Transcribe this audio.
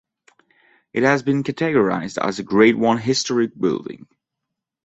It has been categorised as a Grade One historic building.